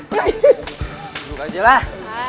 buka aja lah